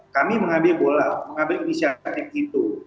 kami mengambil bola mengambil inisiatif itu